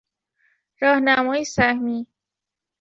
راهنمای سهمی